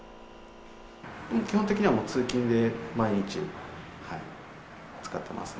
基本的にはもう通勤で、毎日使ってますね。